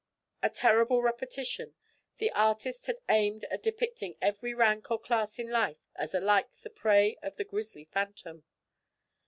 In terrible repetition, the artist had aimed at depicting every rank or class in life as alike the prey of the grisly phantom.